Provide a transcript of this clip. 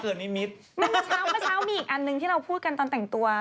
เมื่อเช้าเมื่อเช้ามีอีกอันหนึ่งที่เราพูดกันตอนแต่งตัว